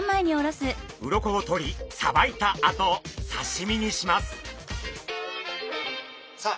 鱗を取りさばいたあと刺身にします。